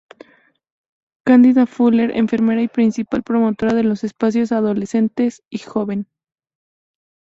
Candida Fuller: Enfermera y principal promotora de los espacios adolescente y joven.